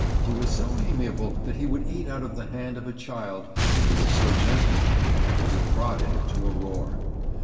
He was so amiable that he would eat out of the hand of a child and he was so gentle that he had to be prodded into a roar.